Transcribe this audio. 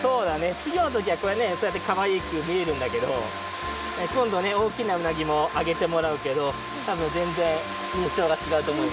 ちぎょのときはそうやってかわいくみえるんだけどこんどねおおきなうなぎもあげてもらうけどたぶんぜんぜんいんしょうがちがうとおもいます。